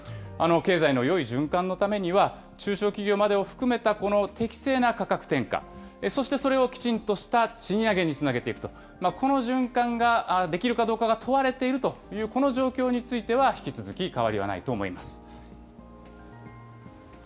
経済のよい循環のためには、中小企業までを含めたこの適正な価格転嫁、そして、それをきちんとした賃上げにつなげていくと、この循環ができるかどうかが問われているというこの状況については、引き続き変わりはないと思います。